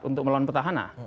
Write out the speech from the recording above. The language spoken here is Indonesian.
untuk melawan petahana